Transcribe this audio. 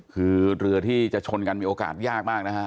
คือเรือที่จะชนกันมีโอกาสยากมากนะฮะ